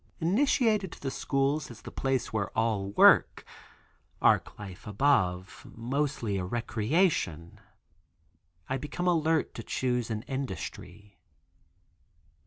Initiated to the schools, as the place where all work, (Arc life above, mostly a recreation) I become alert to choose an industry.